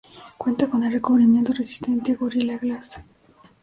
Cuenta con el recubrimiento resistente Gorilla Glass.